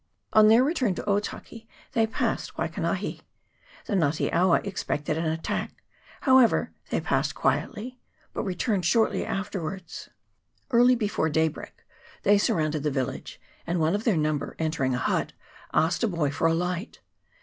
On their return to Otaki they passed Waikanahi : the Nga te awa expected an attack ; however, they passed quietly, but re turned shortly afterwards. Early before daybreak they surrounded the village, and one of their num ber, entering a hut, asked a boy for a light.